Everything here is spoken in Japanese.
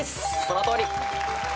そのとおり。